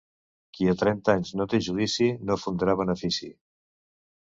Qui a trenta anys no té judici, no fundarà benefici.